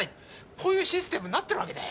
こういうシステムになってるわけだよ。